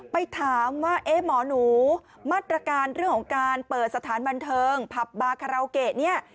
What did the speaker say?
ไปถามว่าเอ๊ะหมอหนูมาตรการเรื่องของการเปิดสถานบันเทิงผับบาคาราโอเกะเนี่ย